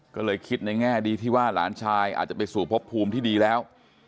ก็เลยคิดในแง่ดีที่ว่าหลานชายอาจจะไปสู่พบภูมิที่ดีแล้ว